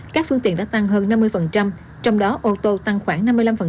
các phương tiện đã tăng hơn năm mươi trong đó ô tô tăng khoảng năm mươi năm